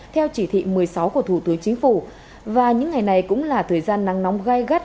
theo chỉ thị một mươi sáu của thủ tướng chính phủ và những ngày này cũng là thời gian nắng nóng gai gắt